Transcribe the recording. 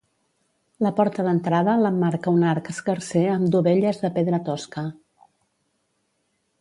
La porta d'entrada l'emmarca un arc escarser amb dovelles de pedra tosca.